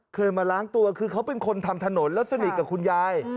เคยมาล้างตัวคือเขาเป็นคนทำถนนแล้วสนิทกับคุณยาย